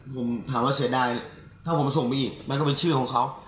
ผมถามว่าเสียดายถ้าผมส่งไปอีกมันก็เป็นชื่อของเขา